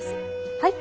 はい。